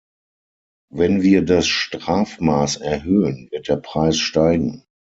Wenn wir das Strafmaß erhöhen, wird der Preis steigen.